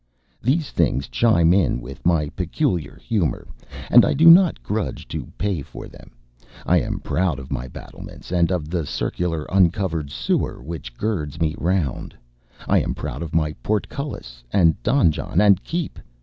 These things chime in with my peculiar humour, and I do not grudge to pay for them. I am proud of my battlements and of the circular uncovered sewer which girds me round. I am proud of my portcullis and donjon and keep.